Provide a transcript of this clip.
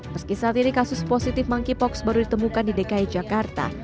meski saat ini kasus positif monkeypox baru ditemukan di dki jakarta